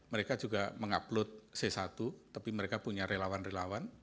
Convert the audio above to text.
mereka juga mengupload c satu tapi mereka punya relawan relawan